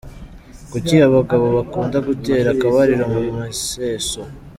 Kuki abagabo bakunda gutera akabariro mu museso?